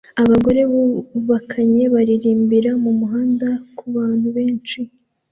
Abagore bubakanye baririmbira mumuhanda kubantu benshi